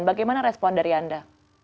bagaimana respon dari anda